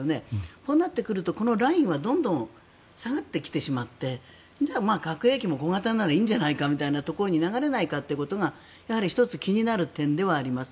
こうなってくるとラインはどんどん下がってきてしまってじゃあ、核兵器も小型ならいいんじゃないかみたいなところに流れないかというのがやはり１つ気になる点ではあります。